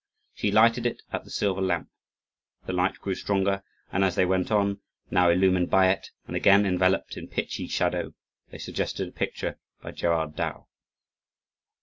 She lighted it at the silver lamp. The light grew stronger; and as they went on, now illumined by it, and again enveloped in pitchy shadow, they suggested a picture by Gerard Dow.